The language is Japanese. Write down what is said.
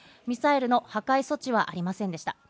ミサイルの破壊措置はありませんでした。